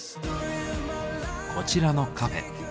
こちらのカフェ。